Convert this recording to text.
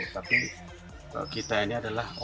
tapi kita ini adalah